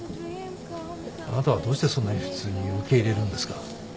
あなたはどうしてそんなに普通に受け入れるんですか？